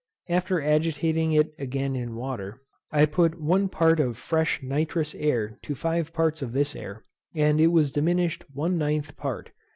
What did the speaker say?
After agitating it again in water, I put one part of fresh nitrous air to five parts of this air, and it was diminished one ninth part.